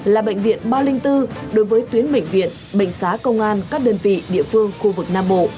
là bệnh viện ba trăm linh bốn đối với tuyến bệnh viện bệnh xá công an các đơn vị địa phương khu vực nam bộ